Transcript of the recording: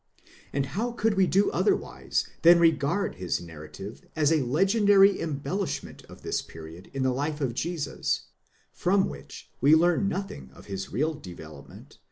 and how could we do otherwise than regard his narrative as a legendary embellishment of this period in the life of Jesus,® from which we learn nothing of his real development